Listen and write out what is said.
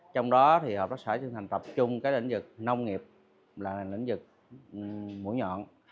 trong đó thì hợp tác xã chương thành tập trung cái lĩnh vực nông nghiệp là lĩnh vực mũi nhọn